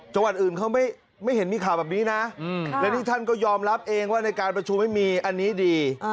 จังหวัดอื่นเขาไม่เห็นมีข่าวแบบนี้นะและนี่ท่านก็ยอมรับเองว่าในการประชุมไม่มีอันนี้ดี